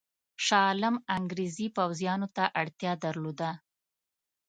شاه عالم انګرېزي پوځیانو ته اړتیا درلوده.